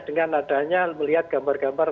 dengan adanya melihat gambar gambar